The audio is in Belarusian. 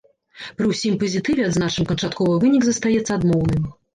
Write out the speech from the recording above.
Пры ўсім пазітыве, адзначым, канчатковы вынік застаецца адмоўным.